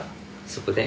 そこで？